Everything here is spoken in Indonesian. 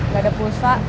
gak ada pulsa